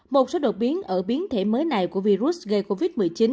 một số đột biến ở biến thể mới này của virus gây covid một mươi chín